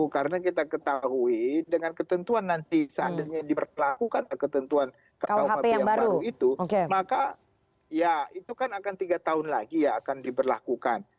karena kita ketahui dengan ketentuan nanti seandainya diberlakukan ketentuan rkuhp yang baru itu maka ya itu kan akan tiga tahun lagi ya akan diberlakukan